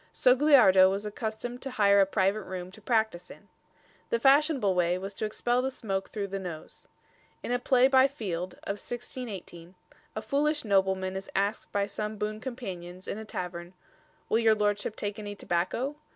Sogliardo was accustomed to hire a private room to practise in. The fashionable way was to expel the smoke through the nose. In a play by Field of 1618, a foolish nobleman is asked by some boon companions in a tavern: "Will your lordship take any tobacco?"